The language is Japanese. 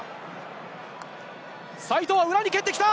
齋藤は裏に蹴ってきた！